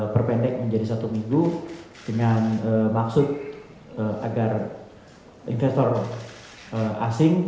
perpendek menjadi satu minggu dengan maksud agar investor asing